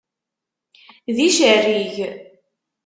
D icerrig!